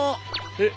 えっ？